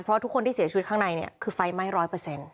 เพราะทุกคนที่เสียชีวิตข้างในเนี่ยคือไฟไหม้ร้อยเปอร์เซ็นต์